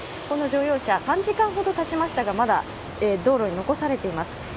この乗用車、３時間ほどたちましたがまだ道路に残されています。